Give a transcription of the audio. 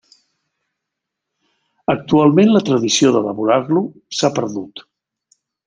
Actualment la tradició d'elaborar-lo s'ha perdut.